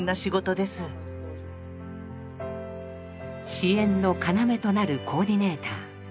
支援の要となるコーディネーター。